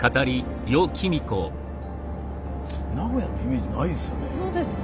名古屋ってイメージないですよね。